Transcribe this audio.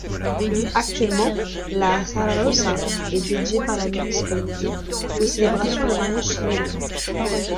Actuellement la Sala Rossa est dédiée, par la municipalité, aux célébrations de mariages civils.